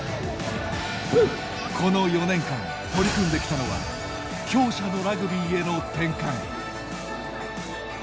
この４年間取り組んできたのは強者のラグビーへの転換。